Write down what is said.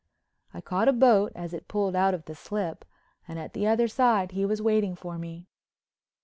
I caught a boat as it pulled out of the slip and at the other side he was waiting for me.